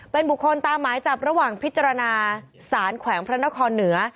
เป็นบุคคลตามหมายจับระหว่างพิจารณาสารแขวงพระนครเหนือ